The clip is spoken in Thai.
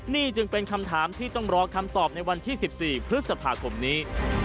นี่จึงเป็นคำถามที่ต้องรอคำตอบในวันที่๑๔พฤษภาคมนี้